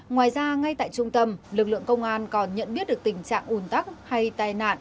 ngoài ra ngay tại trung tâm lực lượng công an còn nhận biết được tình trạng ủn tắc hay tai nạn